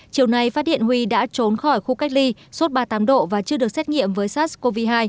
chiều nay phát hiện huy đã trốn khỏi khu cách ly sốt ba mươi tám độ và chưa được xét nghiệm với sars cov hai